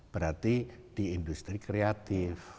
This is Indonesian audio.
berarti di industri kreatif